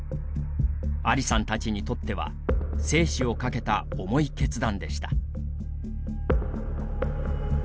アリさんたちにとっては生死をかけた重い決断でした。